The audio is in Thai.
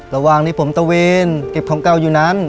ระหว่างที่ผมตะเวนเก็บของเก่าอยู่นั้น